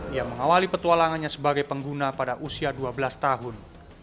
ia mengawali petualangannya sebagai pengguna pada usia dua belas tahun